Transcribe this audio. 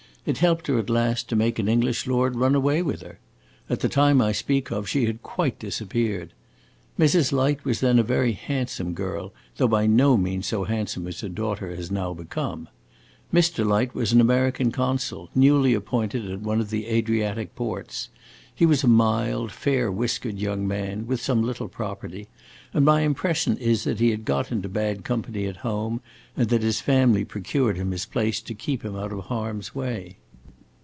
It helped her at last to make an English lord run away with her. At the time I speak of she had quite disappeared. Mrs. Light was then a very handsome girl, though by no means so handsome as her daughter has now become. Mr. Light was an American consul, newly appointed at one of the Adriatic ports. He was a mild, fair whiskered young man, with some little property, and my impression is that he had got into bad company at home, and that his family procured him his place to keep him out of harm's way.